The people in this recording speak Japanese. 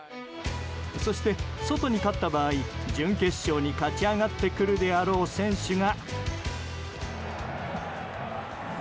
そして、ソトに勝った場合準決勝に勝ち上がってくるであろう選手が。